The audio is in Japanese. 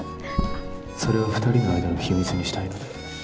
それは二人の間の秘密にしたいので